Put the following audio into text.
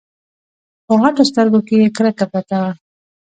په غټو سترګو کې يې کرکه پرته وه.